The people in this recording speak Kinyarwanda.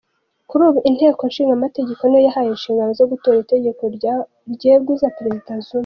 Kuri ubu inteko nshingamategeko niyo yahawe inshingano zo gutora itegeko ryeguza Perezida Zuma.